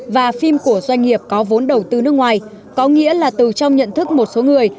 và phim của doanh nghiệp có vốn đầu tư nước ngoài có nghĩa là từ trong nhận thức một số người